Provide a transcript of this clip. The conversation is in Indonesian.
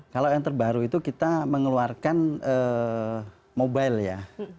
kalau yang terbaru itu kita mengeluarkan mobile ya